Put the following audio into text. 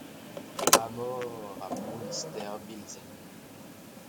Amor à Munsterbilzen.